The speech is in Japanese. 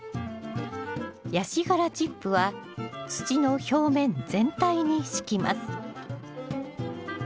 ヤシ殻チップは土の表面全体に敷きます